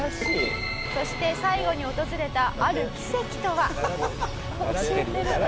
そして最後に訪れたある奇跡とは？